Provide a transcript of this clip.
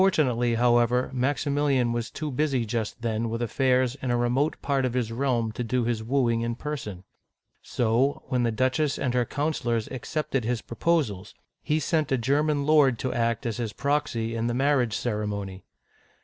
(1483 1498) 215 tunately, however, Maximilian was too busy just then with affairs in a remote part of his realm to do his wooing in person ; so, when the duchess and her councilors accepted his proposals, he sent a German lord to act as his proxy in the marriage ceremony.